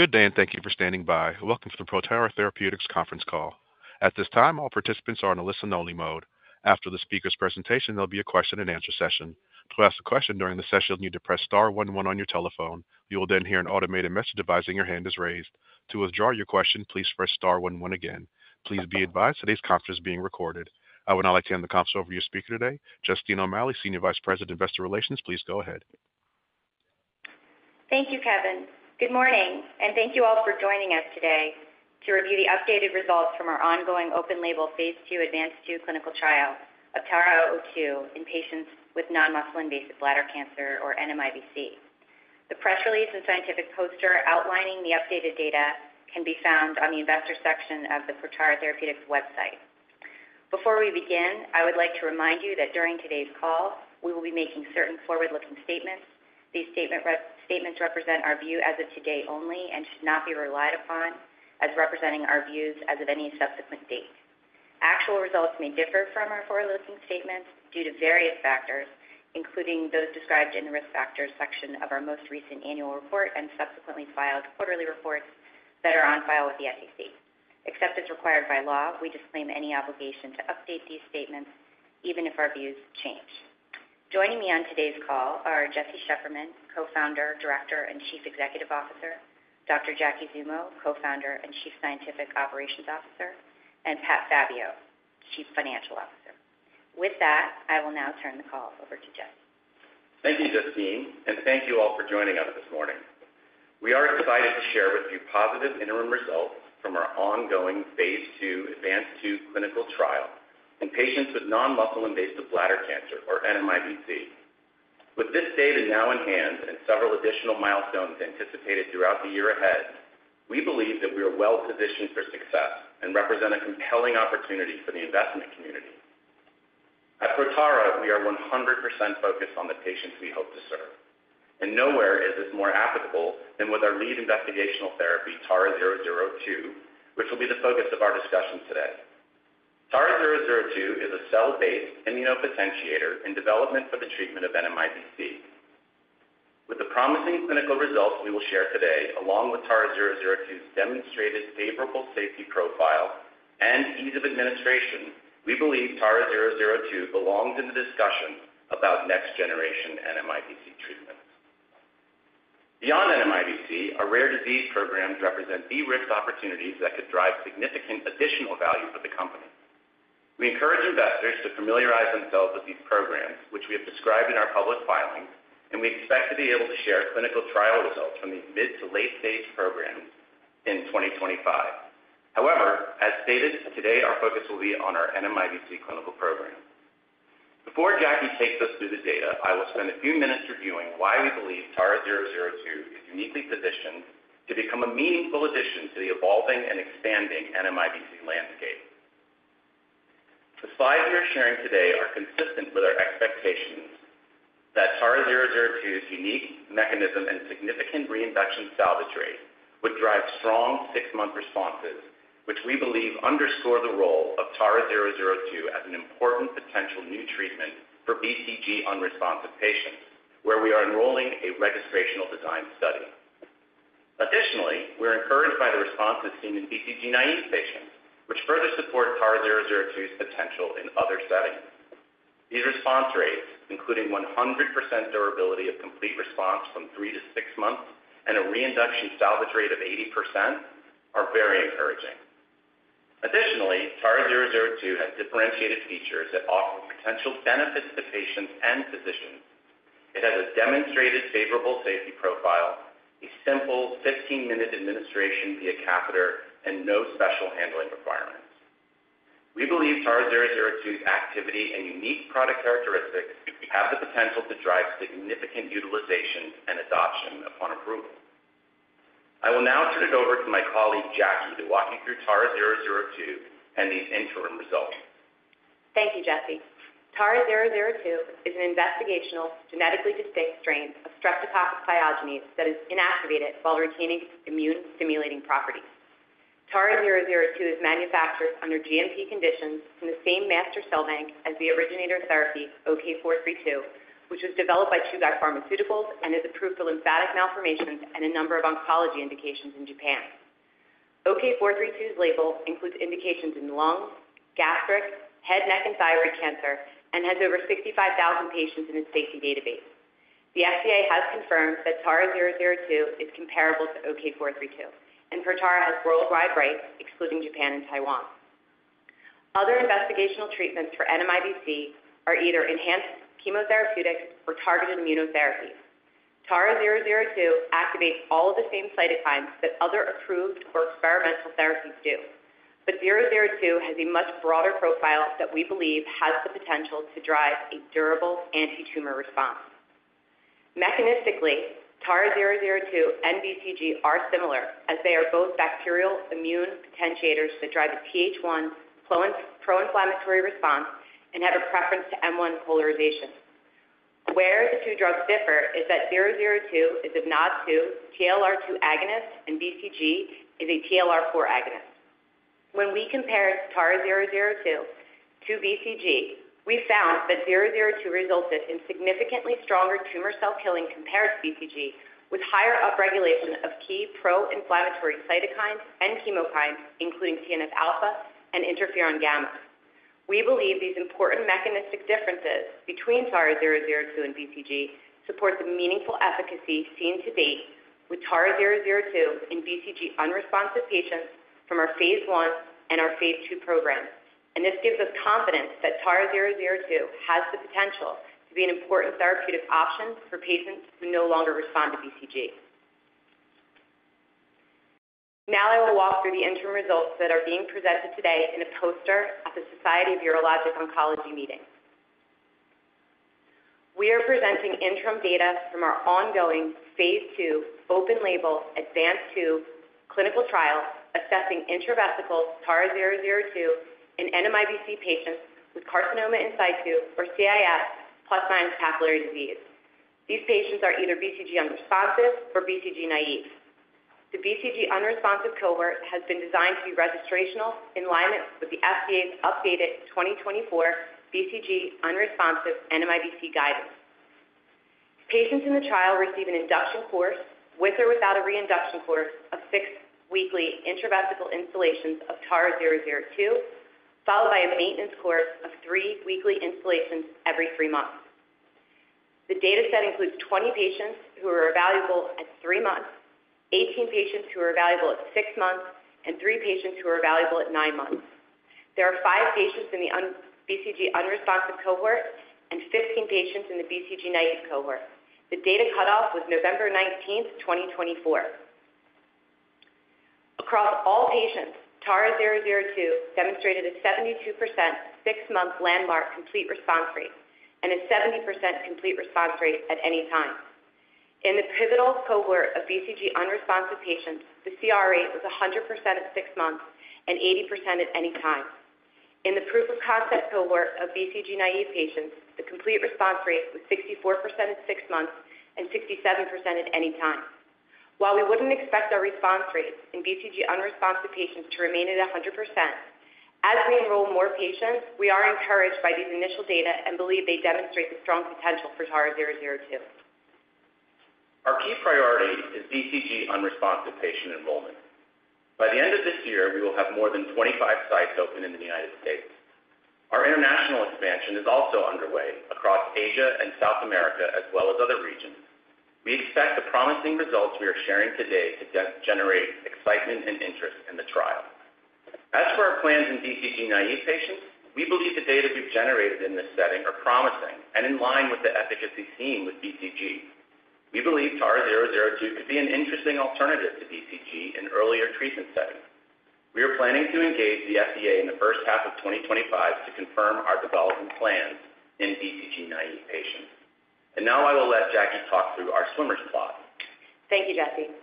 Good day, and thank you for standing by. Welcome to the Protara Therapeutics conference call. At this time, all participants are on a listen-only mode. After the speaker's presentation, there'll be a question-and-answer session. To ask a question during the session, you need to press star one one on your telephone. You will then hear an automated message advising your hand is raised. To withdraw your question, please press star one one again. Please be advised today's conference is being recorded. I would now like to hand the conference over to your speaker today, Justine O'Malley, Senior Vice President of Investor Relations. Please go ahead. Thank you, Kevin. Good morning, and thank you all for joining us today to review the updated results from our ongoing open-label phase II ADVANCED-2 clinical trial, TARA-002, in patients with non-muscle-invasive bladder cancer, or NMIBC. The press release and scientific poster outlining the updated data can be found on the investor section of the Protara Therapeutics website. Before we begin, I would like to remind you that during today's call, we will be making certain forward-looking statements. These statements represent our view as of today only and should not be relied upon as representing our views as of any subsequent date. Actual results may differ from our forward-looking statements due to various factors, including those described in the risk factors section of our most recent annual report and subsequently filed quarterly reports that are on file with the SEC. Except as required by law, we disclaim any obligation to update these statements, even if our views change. Joining me on today's call are Jesse Shefferman, Co-founder, Director, and Chief Executive Officer, Dr. Jackie Zummo, Co-founder and Chief Scientific Operations Officer, and Pat Fabbio, Chief Financial Officer. With that, I will now turn the call over to Jesse. Thank you, Justine, and thank you all for joining us this morning. We are excited to share with you positive interim results from our ongoing phase II ADVANCED-2 clinical trial in patients with non-muscle-invasive bladder cancer, or NMIBC. With this data now in hand and several additional milestones anticipated throughout the year ahead, we believe that we are well-positioned for success and represent a compelling opportunity for the investment community. At Protara, we are 100% focused on the patients we hope to serve, and nowhere is this more applicable than with our lead investigational therapy, TARA-002, which will be the focus of our discussion today. TARA-002 is a cell-based immunopotentiator in development for the treatment of NMIBC. With the promising clinical results we will share today, along with TARA-002's demonstrated favorable safety profile and ease of administration, we believe TARA-002 belongs in the discussion about next-generation NMIBC treatments. Beyond NMIBC, our rare disease programs represent de-risk opportunities that could drive significant additional value for the company. We encourage investors to familiarize themselves with these programs, which we have described in our public filings, and we expect to be able to share clinical trial results from these mid to late-stage programs in 2025. However, as stated, today our focus will be on our NMIBC clinical program. Before Jackie takes us through the data, I will spend a few minutes reviewing why we believe TARA-002 is uniquely positioned to become a meaningful addition to the evolving and expanding NMIBC landscape. The slides we are sharing today are consistent with our expectations that TARA-002's unique mechanism and significant reinduction salvage rate would drive strong six-month responses, which we believe underscore the role of TARA-002 as an important potential new treatment for BCG unresponsive patients, where we are enrolling a registrational design study. Additionally, we're encouraged by the responses seen in BCG naive patients, which further support TARA-002's potential in other settings. These response rates, including 100% durability of complete response from three to six months and a reinduction salvage rate of 80%, are very encouraging. Additionally, TARA-002 has differentiated features that offer potential benefits to patients and physicians. It has a demonstrated favorable safety profile, a simple 15-minute administration via catheter, and no special handling requirements. We believe TARA-002's activity and unique product characteristics have the potential to drive significant utilization and adoption upon approval. I will now turn it over to my colleague, Jackie, to walk you through TARA-002 and these interim results. Thank you, Jesse. TARA-002 is an investigational genetically distinct strain of Streptococcus pyogenes that is inactivated while retaining immune-stimulating properties. TARA-002 is manufactured under GMP conditions in the same master cell bank as the originator therapy, OK-432, which was developed by Chugai Pharmaceutical and is approved for lymphatic malformations and a number of oncology indications in Japan. OK-432's label includes indications in lung, gastric, head, neck, and thyroid cancer, and has over 65,000 patients in its safety database. The FDA has confirmed that TARA-002 is comparable to OK-432, and Protara has worldwide rights, excluding Japan and Taiwan. Other investigational treatments for NMIBC are either enhanced chemotherapeutics or targeted immunotherapies. TARA-002 activates all of the same cytokines that other approved or experimental therapies do, but 002 has a much broader profile that we believe has the potential to drive a durable anti-tumor response. Mechanistically, TARA-002 and BCG are similar, as they are both bacterial immune potentiators that drive a Th1 pro-inflammatory response and have a preference to M1 polarization. Where the two drugs differ is that 002 is a NOD2 TLR2 agonist, and BCG is a TLR4 agonist. When we compared TARA-002 to BCG, we found that 002 resulted in significantly stronger tumor cell killing compared to BCG, with higher upregulation of key pro-inflammatory cytokines and chemokines, including TNF alpha and interferon gamma. We believe these important mechanistic differences between TARA-002 and BCG support the meaningful efficacy seen to date with TARA-002 in BCG unresponsive patients from our phase I and our phase II programs, and this gives us confidence that TARA-002 has the potential to be an important therapeutic option for patients who no longer respond to BCG. Now I will walk through the interim results that are being presented today in a poster at the Society of Urologic Oncology meeting. We are presenting interim data from our ongoing phase II open-label ADVANCED-2 clinical trial assessing intravesical TARA-002 in NMIBC patients with carcinoma in situ, or CIS, plus/minus papillary disease. These patients are either BCG unresponsive or BCG naive. The BCG unresponsive cohort has been designed to be registrational in line with the FDA's updated 2024 BCG unresponsive NMIBC guidance. Patients in the trial receive an induction course with or without a reinduction course of six weekly intravesical instillations of TARA-002, followed by a maintenance course of three weekly instillations every three months. The dataset includes 20 patients who are evaluable at three months, 18 patients who are evaluable at six months, and three patients who are evaluable at nine months. There are five patients in the BCG unresponsive cohort and 15 patients in the BCG naive cohort. The data cutoff was November 19, 2024. Across all patients, TARA-002 demonstrated a 72% six-month landmark complete response rate and a 70% complete response rate at any time. In the pivotal cohort of BCG unresponsive patients, the CR rate was 100% at six months and 80% at any time. In the proof-of-concept cohort of BCG naive patients, the complete response rate was 64% at six months and 67% at any time. While we wouldn't expect our response rates in BCG unresponsive patients to remain at 100%, as we enroll more patients, we are encouraged by these initial data and believe they demonstrate the strong potential for TARA-002. Our key priority is BCG unresponsive patient enrollment. By the end of this year, we will have more than 25 sites open in the United States. Our international expansion is also underway across Asia and South America, as well as other regions. We expect the promising results we are sharing today to generate excitement and interest in the trial. As for our plans in BCG naive patients, we believe the data we've generated in this setting are promising and in line with the efficacy seen with BCG. We believe TARA-002 could be an interesting alternative to BCG in earlier treatment settings. We are planning to engage the FDA in the first half of 2025 to confirm our development plans in BCG naive patients. And now I will let Jackie talk through our swimmers plot. Thank you, Jesse.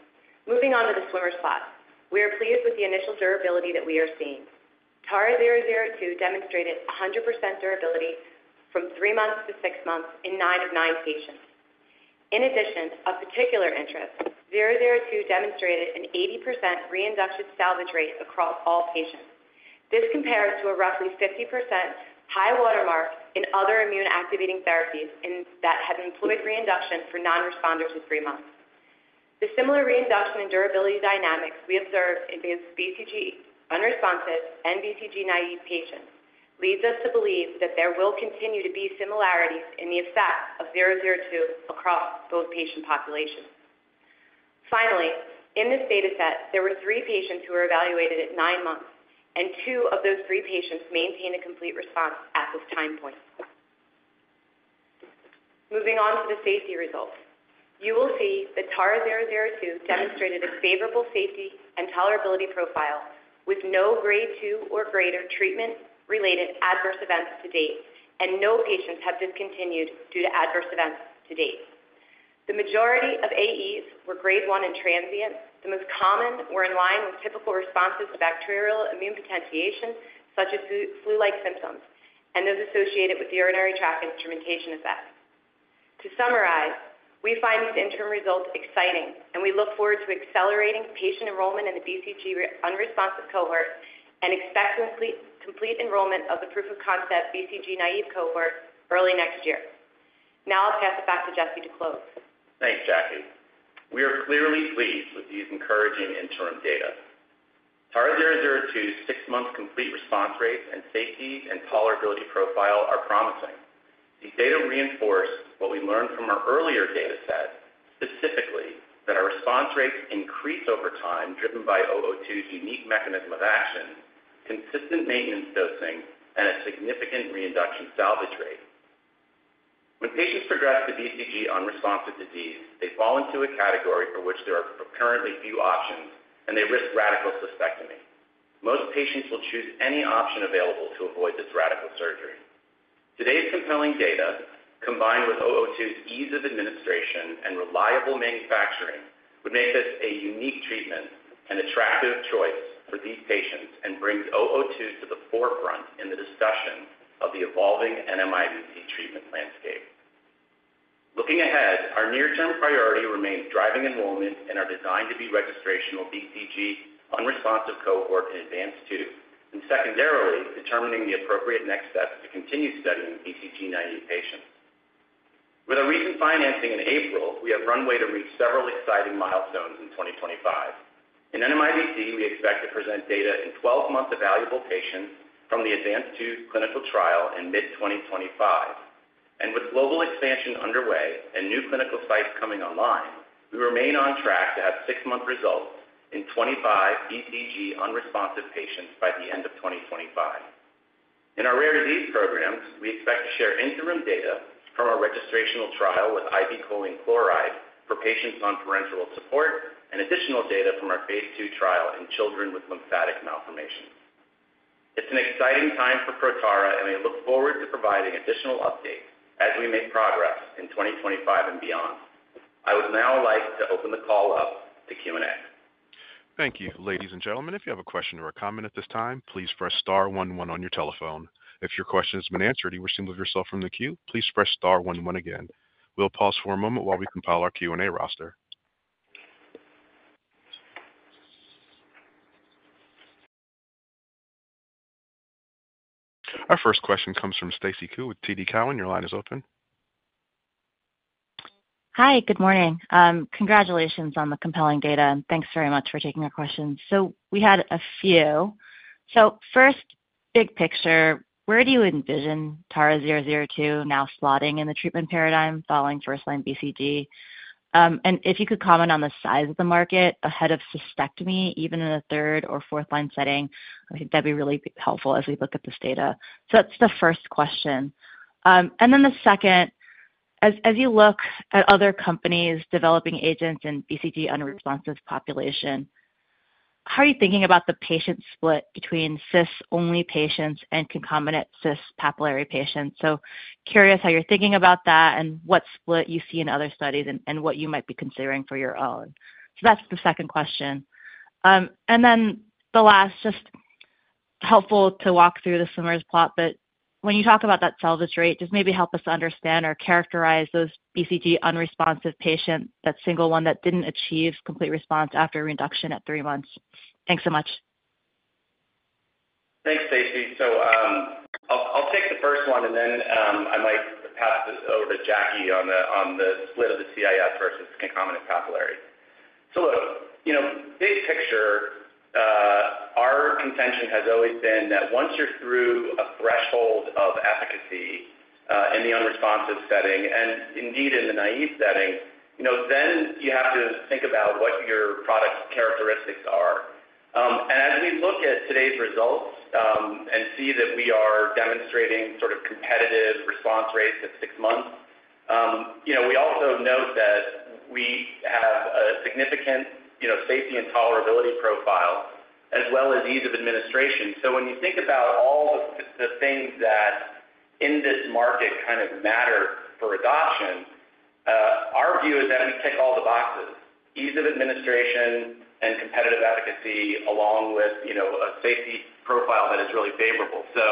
Moving on to the swimmers plot, we are pleased with the initial durability that we are seeing. TARA-002 demonstrated 100% durability from three months to six months in nine of nine patients. In addition, of particular interest, 002 demonstrated an 80% reinduction salvage rate across all patients. This compares to a roughly 50% high watermark in other immune-activating therapies that have employed reinduction for non-responders at three months. The similar reinduction and durability dynamics we observed in both BCG unresponsive and BCG naive patients leads us to believe that there will continue to be similarities in the effect of 002 across both patient populations. Finally, in this dataset, there were three patients who were evaluated at nine months, and two of those three patients maintained a complete response at this time point. Moving on to the safety results, you will see that TARA-002 demonstrated a favorable safety and tolerability profile with no grade two or greater treatment-related adverse events to date, and no patients have discontinued due to adverse events to date. The majority of AEs were grade one and transient. The most common were in line with typical responses to bacterial immune potentiation, such as flu-like symptoms, and those associated with the urinary tract instrumentation effect. To summarize, we find these interim results exciting, and we look forward to accelerating patient enrollment in the BCG unresponsive cohort and expect complete enrollment of the proof-of-concept BCG naive cohort early next year. Now I'll pass it back to Jesse to close. Thanks, Jackie. We are clearly pleased with these encouraging interim data. TARA-002's six-month complete response rate and safety and tolerability profile are promising. These data reinforce what we learned from our earlier dataset, specifically that our response rates increase over time, driven by 002's unique mechanism of action, consistent maintenance dosing, and a significant reinduction salvage rate. When patients progress to BCG unresponsive disease, they fall into a category for which there are currently few options, and they risk radical cystectomy. Most patients will choose any option available to avoid this radical surgery. Today's compelling data, combined with 002's ease of administration and reliable manufacturing, would make this a unique treatment and attractive choice for these patients and brings 002 to the forefront in the discussion of the evolving NMIBC treatment landscape. Looking ahead, our near-term priority remains driving enrollment in our design-to-be registrational BCG unresponsive cohort in ADVANCED-2, and secondarily, determining the appropriate next steps to continue studying BCG naive patients. With our recent financing in April, we have runway to reach several exciting milestones in 2025. In NMIBC, we expect to present data in 12 months of evaluable patients from the ADVANCED-2 clinical trial in mid-2025, and with global expansion underway and new clinical sites coming online, we remain on track to have six-month results in 25 BCG unresponsive patients by the end of 2025. In our rare disease programs, we expect to share interim data from our registrational trial with IV choline chloride for patients on parenteral support and additional data from our phase II trial in children with lymphatic malformations. It's an exciting time for Protara and we look forward to providing additional updates as we make progress in 2025 and beyond. I would now like to open the call up to Q&A. Thank you. Ladies and gentlemen, if you have a question or a comment at this time, please press star one one on your telephone. If your question has been answered and you wish to move yourself from the queue, please press star one one again. We'll pause for a moment while we compile our Q&A roster. Our first question comes from Stacy Ku with TD Cowen. Your line is open. Hi, good morning. Congratulations on the compelling data. Thanks very much for taking our questions. So we had a few. So first, big picture, where do you envision TARA-002 now slotting in the treatment paradigm following first-line BCG? And if you could comment on the size of the market ahead of cystectomy, even in a third or fourth-line setting, I think that'd be really helpful as we look at this data. So that's the first question. And then the second, as you look at other companies developing agents in BCG unresponsive population, how are you thinking about the patient split between CIS-only patients and concomitant CIS papillary patients? So curious how you're thinking about that and what split you see in other studies and what you might be considering for your own. So that's the second question. Then the last, just helpful to walk through the swimmers plot, but when you talk about that salvage rate, just maybe help us to understand or characterize those BCG unresponsive patients, that single one that didn't achieve complete response after induction at three months. Thanks so much. Thanks, Stacy. So I'll take the first one, and then I might pass this over to Jackie on the split of the CIS versus concomitant papillary. So look, big picture, our contention has always been that once you're through a threshold of efficacy in the unresponsive setting, and indeed in the naive setting, then you have to think about what your product characteristics are. And as we look at today's results and see that we are demonstrating sort of competitive response rates at six months, we also note that we have a significant safety and tolerability profile as well as ease of administration. So when you think about all the things that in this market kind of matter for adoption, our view is that we tick all the boxes: ease of administration and competitive efficacy along with a safety profile that is really favorable. So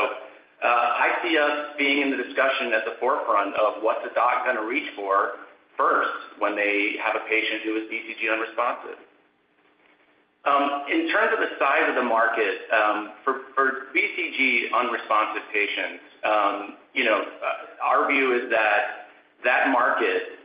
I see us being in the discussion at the forefront of what's a doc going to reach for first when they have a patient who is BCG unresponsive. In terms of the size of the market, for BCG unresponsive patients, our view is that that market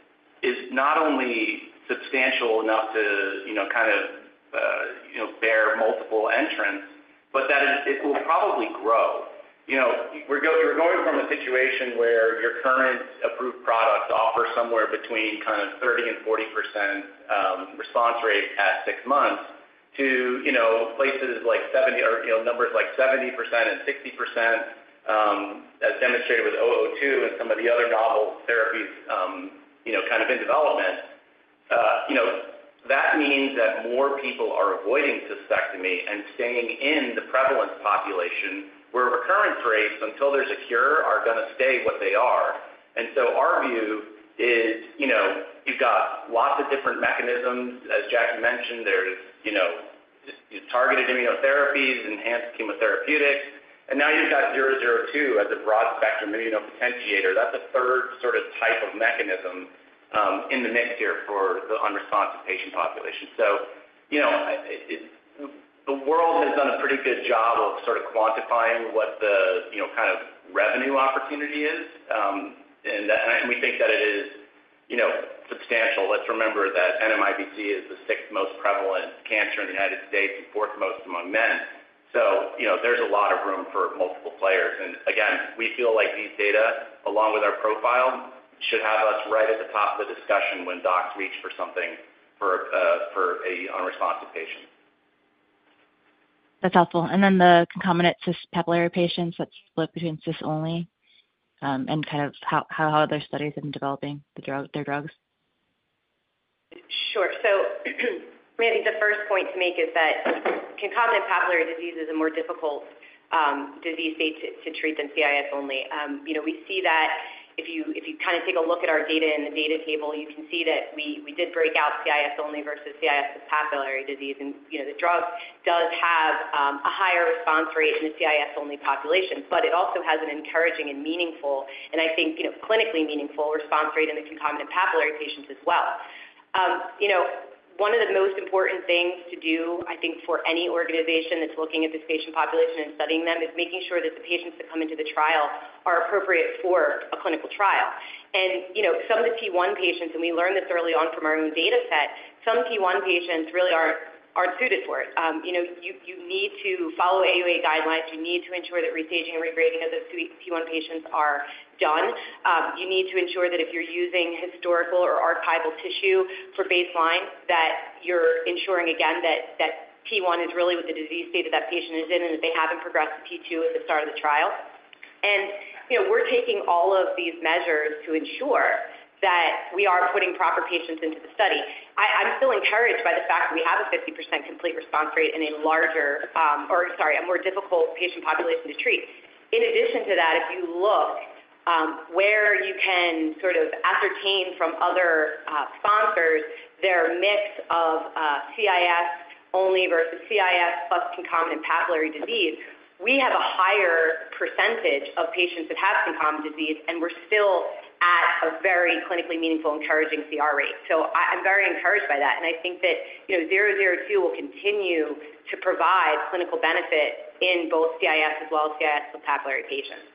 is not only substantial enough to kind of bear multiple entrants, but that it will probably grow. We're going from a situation where your current approved products offer somewhere between kind of 30% and 40% response rate at six months to places like 70% or numbers like 70% and 60%, as demonstrated with 002 and some of the other novel therapies kind of in development. That means that more people are avoiding cystectomy and staying in the prevalence population where recurrence rates until there's a cure are going to stay what they are. Our view is you've got lots of different mechanisms. As Jackie mentioned, there's targeted immunotherapies, enhanced chemotherapeutics, and now you've got 002 as a broad-spectrum immunopotentiator. That's a third sort of type of mechanism in the mix here for the unresponsive patient population. The world has done a pretty good job of sort of quantifying what the kind of revenue opportunity is, and we think that it is substantial. Let's remember that NMIBC is the sixth most prevalent cancer in the United States and fourth most among men. There's a lot of room for multiple players. Again, we feel like these data, along with our profile, should have us right at the top of the discussion when docs reach for something for an unresponsive patient. That's helpful, and then the concomitant CIS papillary patients, that split between CIS-only and kind of how other studies have been developing their drugs. Sure. So maybe the first point to make is that concomitant papillary disease is a more difficult disease state to treat than CIS-only. We see that if you kind of take a look at our data in the data table, you can see that we did break out CIS-only versus CIS with papillary disease. And the drug does have a higher response rate in the CIS-only population, but it also has an encouraging and meaningful, and I think clinically meaningful response rate in the concomitant papillary patients as well. One of the most important things to do, I think, for any organization that's looking at this patient population and studying them, is making sure that the patients that come into the trial are appropriate for a clinical trial. Some of the T1 patients, and we learned this early on from our own dataset, some T1 patients really aren't suited for it. You need to follow AUA guidelines. You need to ensure that restaging and regrading of those T1 patients are done. You need to ensure that if you're using historical or archival tissue for baseline, that you're ensuring, again, that T1 is really what the disease state of that patient is in and that they haven't progressed to T2 at the start of the trial. And we're taking all of these measures to ensure that we are putting proper patients into the study. I'm still encouraged by the fact that we have a 50% complete response rate in a larger or, sorry, a more difficult patient population to treat. In addition to that, if you look where you can sort of ascertain from other sponsors their mix of CIS-only versus CIS plus concomitant papillary disease, we have a higher percentage of patients that have concomitant disease, and we're still at a very clinically meaningful, encouraging CR rate. So I'm very encouraged by that, and I think that 002 will continue to provide clinical benefit in both CIS as well as CIS with papillary patients.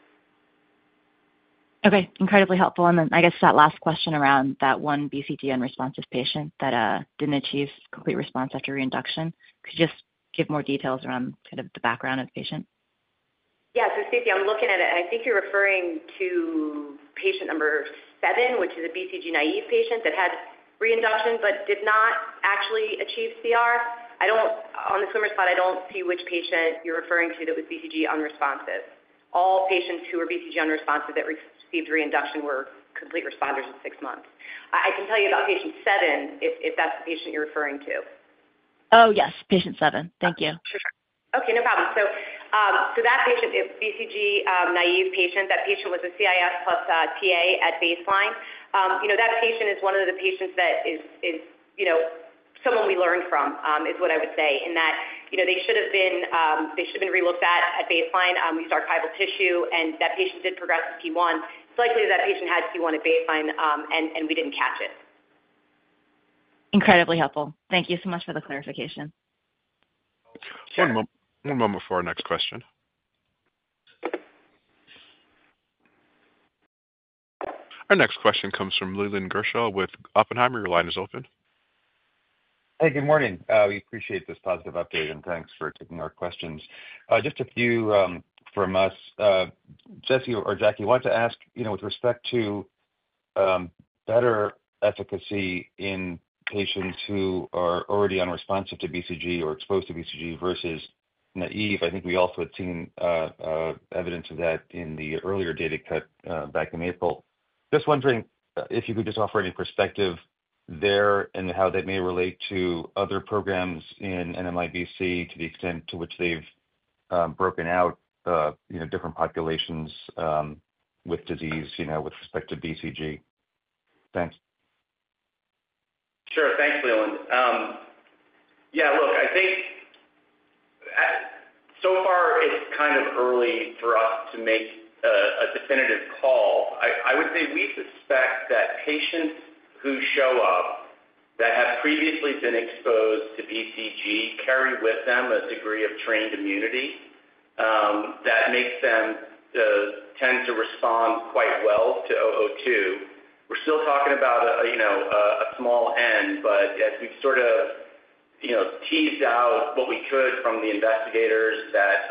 Okay. Incredibly helpful. And then I guess that last question around that one BCG unresponsive patient that didn't achieve complete response after reinduction, could you just give more details around kind of the background of the patient? Yeah. So, Stacy, I'm looking at it. I think you're referring to patient number seven, which is a BCG naive patient that had reinduction but did not actually achieve CR. On the swimmers plot, I don't see which patient you're referring to that was BCG unresponsive. All patients who were BCG unresponsive that received reinduction were complete responders at six months. I can tell you about patient seven if that's the patient you're referring to. Oh, yes. Patient seven. Thank you. Sure. Okay. No problem. So that patient, BCG naive patient, that patient was a CIS plus Ta at baseline. That patient is one of the patients that is someone we learned from, is what I would say, in that they should have been relooked at at baseline. We used archival tissue, and that patient did progress to T1. It's likely that that patient had T1 at baseline, and we didn't catch it. Incredibly helpful. Thank you so much for the clarification. One moment for our next question. Our next question comes from Leland Gershell with Oppenheimer. Your line is open. Hey, good morning. We appreciate this positive update, and thanks for taking our questions. Just a few from us. Jesse or Jackie, I wanted to ask with respect to better efficacy in patients who are already unresponsive to BCG or exposed to BCG versus naive. I think we also had seen evidence of that in the earlier data cut back in April. Just wondering if you could just offer any perspective there and how that may relate to other programs in NMIBC to the extent to which they've broken out different populations with disease with respect to BCG. Thanks. Sure. Thanks, Leland. Yeah. Look, I think so far, it's kind of early for us to make a definitive call. I would say we suspect that patients who show up that have previously been exposed to BCG carry with them a degree of trained immunity. That makes them tend to respond quite well to 002. We're still talking about a small end, but as we've sort of teased out what we could from the investigators that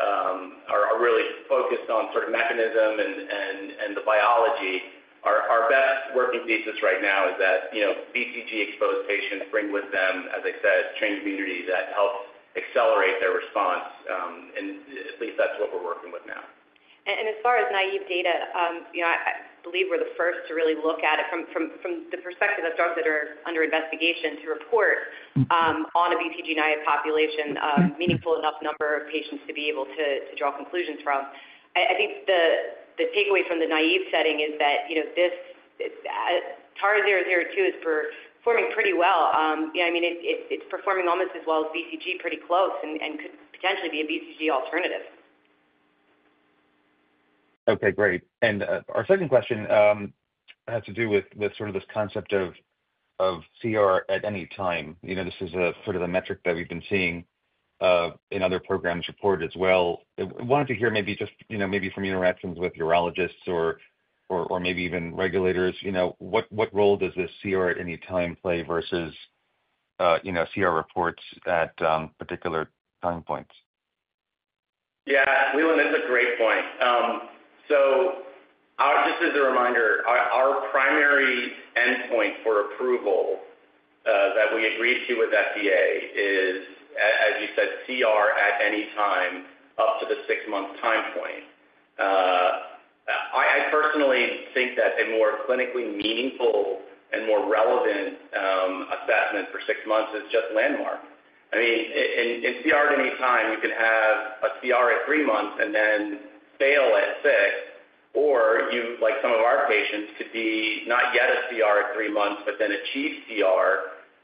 are really focused on sort of mechanism and the biology, our best working thesis right now is that BCG-exposed patients bring with them, as I said, trained immunity that helps accelerate their response. And at least that's what we're working with now. As far as naive data, I believe we're the first to really look at it from the perspective of drugs that are under investigation to report on a BCG naive population, a meaningful enough number of patients to be able to draw conclusions from. I think the takeaway from the naive setting is that TARA-002 is performing pretty well. I mean, it's performing almost as well as BCG, pretty close, and could potentially be a BCG alternative. Okay. Great. And our second question has to do with sort of this concept of CR at any time. This is sort of a metric that we've been seeing in other programs report as well. I wanted to hear maybe just maybe from interactions with urologists or maybe even regulators, what role does this CR at any time play versus CR reports at particular time points? Yeah. Leland, that's a great point. So just as a reminder, our primary endpoint for approval that we agreed to with FDA is, as you said, CR at any time up to the six-month time point. I personally think that a more clinically meaningful and more relevant assessment for six months is just landmark. I mean, in CR at any time, you can have a CR at three months and then fail at six, or you, like some of our patients, could be not yet a CR at three months but then achieve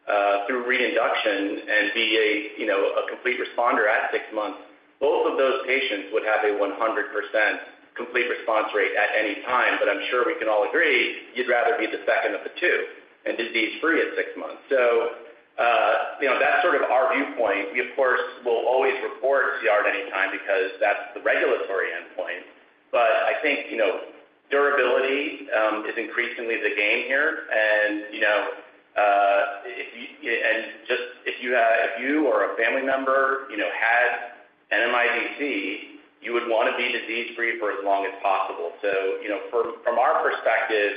CR through reinduction and be a complete responder at six months. Both of those patients would have a 100% complete response rate at any time, but I'm sure we can all agree you'd rather be the second of the two and disease-free at six months. So that's sort of our viewpoint. We, of course, will always report CR at any time because that's the regulatory endpoint. But I think durability is increasingly the game here. And just if you or a family member had NMIBC, you would want to be disease-free for as long as possible. So from our perspective,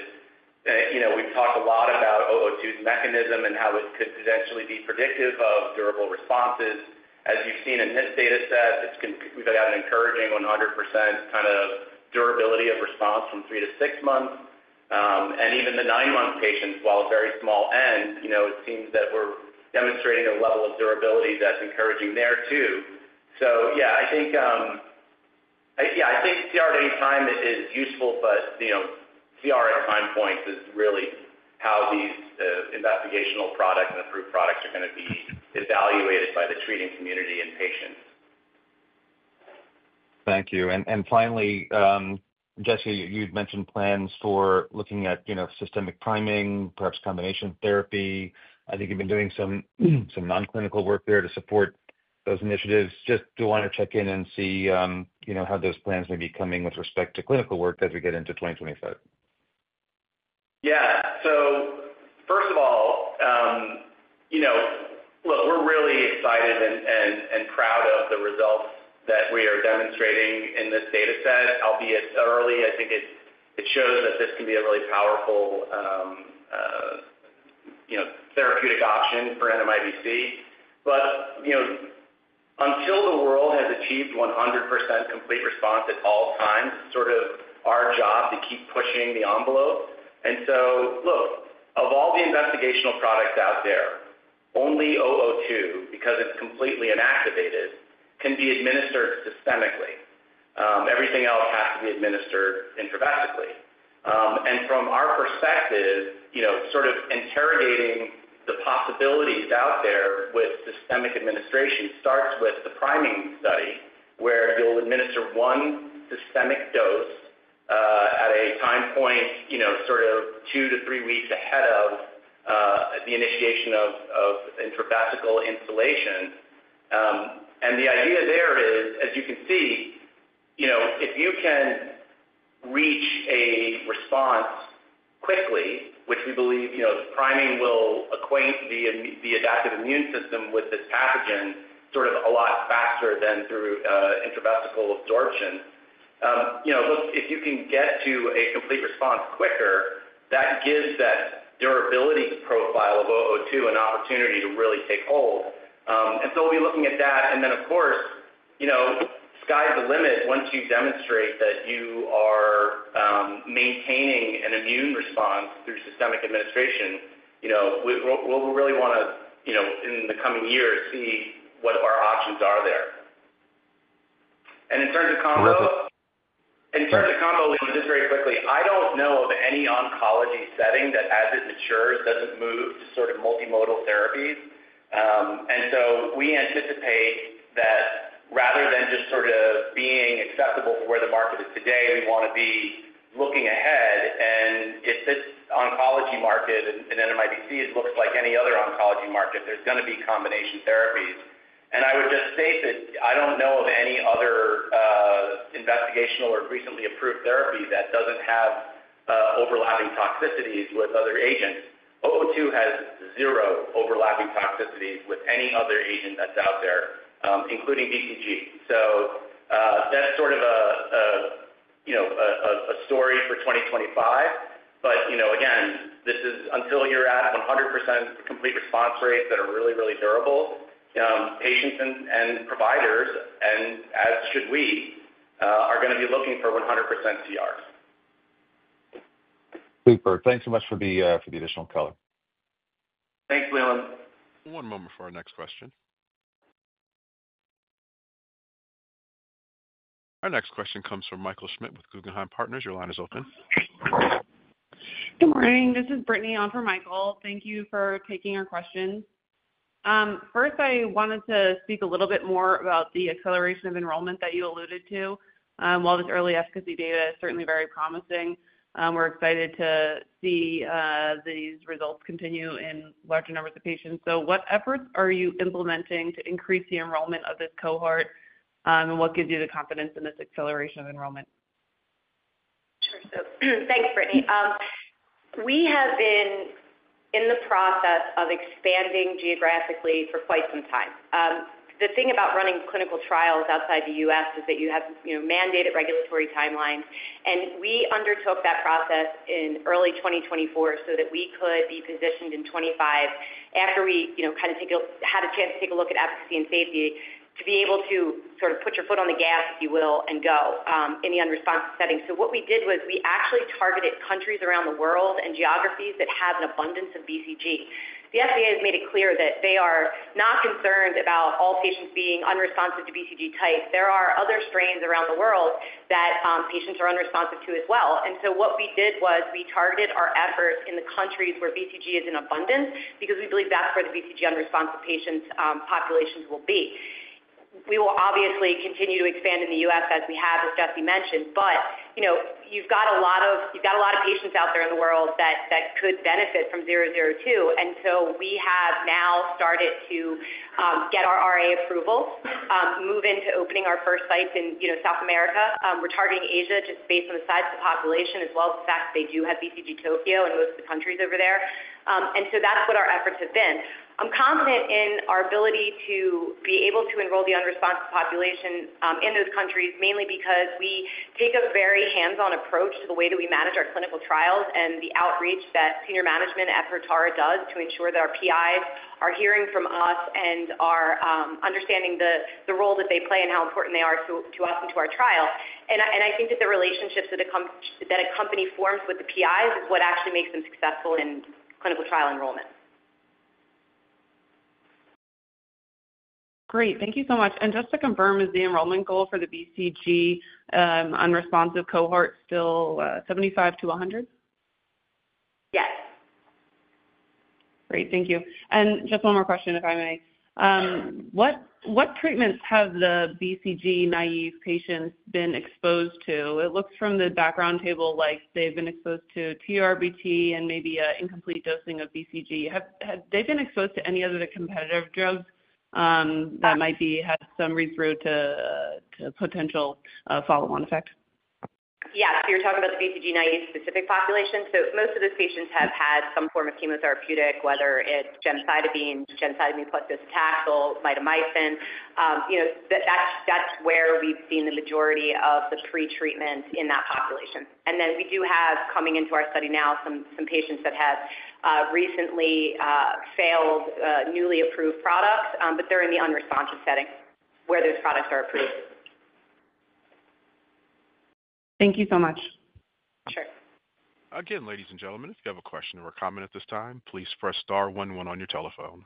we've talked a lot about 002's mechanism and how it could potentially be predictive of durable responses. As you've seen in this dataset, we've had an encouraging 100% kind of durability of response from three to six months. And even the nine-month patients, while a very small n, it seems that we're demonstrating a level of durability that's encouraging there too. So yeah, I think CR at any time is useful, but CR at time points is really how these investigational products and approved products are going to be evaluated by the treating community and patients. Thank you. And finally, Jesse, you'd mentioned plans for looking at systemic priming, perhaps combination therapy. I think you've been doing some non-clinical work there to support those initiatives. Just want to check in and see how those plans may be coming with respect to clinical work as we get into 2025. Yeah. So first of all, look, we're really excited and proud of the results that we are demonstrating in this dataset, albeit early. I think it shows that this can be a really powerful therapeutic option for NMIBC. But until the world has achieved 100% complete response at all times, it's sort of our job to keep pushing the envelope. And so look, of all the investigational products out there, only 002, because it's completely inactivated, can be administered systemically. Everything else has to be administered intravesically. And from our perspective, sort of interrogating the possibilities out there with systemic administration starts with the priming study where you'll administer one systemic dose at a time point sort of two-to-three weeks ahead of the initiation of intravesical instillation. And the idea there is, as you can see, if you can reach a response quickly, which we believe priming will acquaint the adaptive immune system with this pathogen sort of a lot faster than through intravesical absorption. Look, if you can get to a complete response quicker, that gives that durability profile of 002 an opportunity to really take hold. And so we'll be looking at that. And then, of course, sky's the limit once you demonstrate that you are maintaining an immune response through systemic administration. We'll really want to, in the coming years, see what our options are there. And in terms of combination. Really? In terms of combination, just very quickly, I don't know of any oncology setting that, as it matures, doesn't move to sort of multimodal therapies. And so we anticipate that rather than just sort of being acceptable for where the market is today, we want to be looking ahead. And if this oncology market in NMIBC looks like any other oncology market, there's going to be combination therapies. And I would just state that I don't know of any other investigational or recently approved therapy that doesn't have overlapping toxicities with other agents. 002 has zero overlapping toxicities with any other agent that's out there, including BCG. So that's sort of a story for 2025. But again, this is until you're at 100% complete response rates that are really, really durable, patients and providers, and as should we, are going to be looking for 100% CRs. Super. Thanks so much for the additional color. Thanks, Leland. One moment for our next question. Our next question comes from Michael Schmidt with Guggenheim Partners. Your line is open. Good morning. This is Brittany on for Michael. Thank you for taking our questions. First, I wanted to speak a little bit more about the acceleration of enrollment that you alluded to. While this early efficacy data is certainly very promising, we're excited to see these results continue in larger numbers of patients. So what efforts are you implementing to increase the enrollment of this cohort, and what gives you the confidence in this acceleration of enrollment? Sure. So thanks, Brittany. We have been in the process of expanding geographically for quite some time. The thing about running clinical trials outside the U.S. is that you have mandated regulatory timelines. And we undertook that process in early 2024 so that we could be positioned in 2025 after we kind of had a chance to take a look at efficacy and safety to be able to sort of put your foot on the gas, if you will, and go in the unresponsive setting. So what we did was we actually targeted countries around the world and geographies that have an abundance of BCG. The FDA has made it clear that they are not concerned about all patients being unresponsive to BCG type. There are other strains around the world that patients are unresponsive to as well. What we did was we targeted our efforts in the countries where BCG is in abundance because we believe that's where the BCG unresponsive patient populations will be. We will obviously continue to expand in the U.S. as we have, as Jesse mentioned, but you've got a lot of patients out there in the world that could benefit from 002. We have now started to get our RA approvals, move into opening our first sites in South America. We're targeting Asia just based on the size of the population, as well as the fact that they do have BCG Tokyo in most of the countries over there. That's what our efforts have been. I'm confident in our ability to be able to enroll the unresponsive population in those countries, mainly because we take a very hands-on approach to the way that we manage our clinical trials and the outreach that senior management at Protara does to ensure that our PIs are hearing from us and are understanding the role that they play and how important they are to us and to our trial, and I think that the relationships that a company forms with the PIs is what actually makes them successful in clinical trial enrollment. Great. Thank you so much. And just to confirm, is the enrollment goal for the BCG unresponsive cohort still 75-100? Yes. Great. Thank you. And just one more question, if I may. What treatments have the BCG naive patients been exposed to? It looks from the background table like they've been exposed to TURBT and maybe an incomplete dosing of BCG. Have they been exposed to any other competitive drugs that might have some reserve to potential follow-on effect? Yeah. So you're talking about the BCG naive specific population? So most of those patients have had some form of chemotherapeutic, whether it's gemcitabine, gemcitabine plus docetaxel, mitomycin. That's where we've seen the majority of the pretreatment in that population. And then we do have coming into our study now some patients that have recently failed newly approved products, but they're in the unresponsive setting where those products are approved. Thank you so much. Sure. Again, ladies and gentlemen, if you have a question or a comment at this time, please press star one one on your telephone.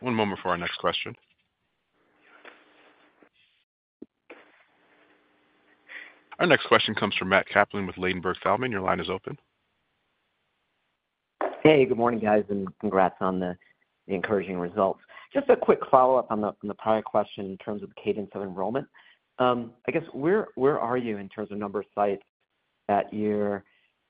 One moment for our next question. Our next question comes from Matt Kaplan with Ladenburg Thalmann. Your line is open. Hey, good morning, guys, and congrats on the encouraging results. Just a quick follow-up on the prior question in terms of the cadence of enrollment. I guess, where are you in terms of number of sites that you've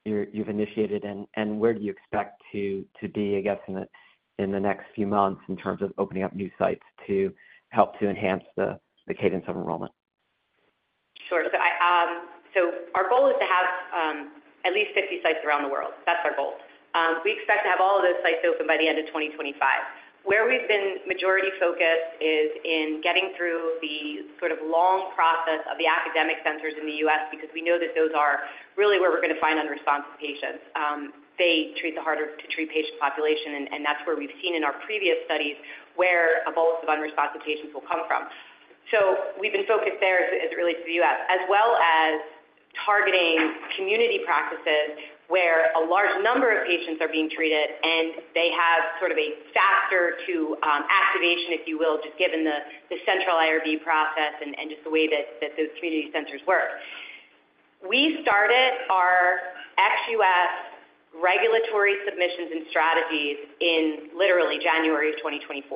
initiated, and where do you expect to be, I guess, in the next few months in terms of opening up new sites to help to enhance the cadence of enrollment? Sure, so our goal is to have at least 50 sites around the world. That's our goal. We expect to have all of those sites open by the end of 2025. Where we've been majority focused is in getting through the sort of long process of the academic centers in the U.S. because we know that those are really where we're going to find unresponsive patients. They treat the harder-to-treat patient population, and that's where we've seen in our previous studies where a bulk of unresponsive patients will come from, so we've been focused there as it relates to the U.S., as well as targeting community practices where a large number of patients are being treated, and they have sort of a factor to activation, if you will, just given the central IRB process and just the way that those community centers work. We started our ex-U.S. regulatory submissions and strategies in literally January of 2024.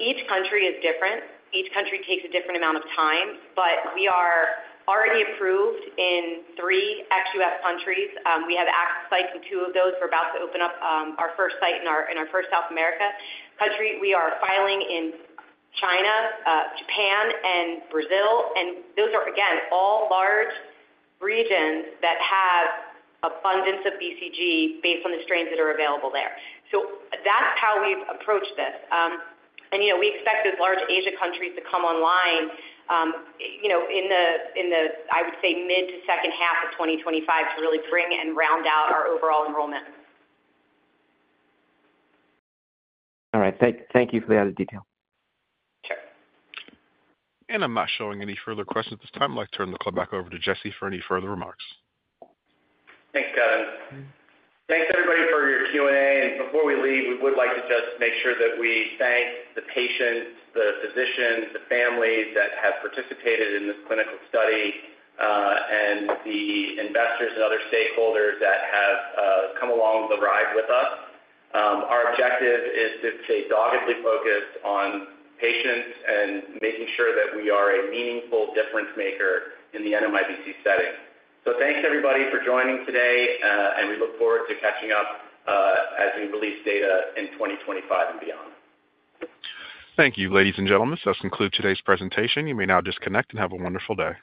Each country is different. Each country takes a different amount of time, but we are already approved in three ex-U.S. countries. We have active sites in two of those. We're about to open up our first site in our first South America country. We are filing in China, Japan, and Brazil. And those are, again, all large regions that have abundance of BCG based on the strains that are available there. So that's how we've approached this. And we expect those large Asia countries to come online in the, I would say, mid to second half of 2025 to really bring and round out our overall enrollment. All right. Thank you for the added detail. Sure. And I'm not showing any further questions at this time. I'd like to turn the call back over to Jesse for any further remarks. Thanks, Kevin. Thanks, everybody, for your Q&A, and before we leave, we would like to just make sure that we thank the patients, the physicians, the families that have participated in this clinical study, and the investors and other stakeholders that have come along the ride with us. Our objective is to stay doggedly focused on patients and making sure that we are a meaningful difference maker in the NMIBC setting, so thanks, everybody, for joining today, and we look forward to catching up as we release data in 2025 and beyond. Thank you, ladies and gentlemen. This does conclude today's presentation. You may now disconnect and have a wonderful day.